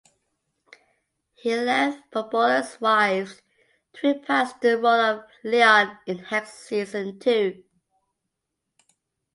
He left "Footballers' Wives" to reprise the role of Leon in "Hex" season two.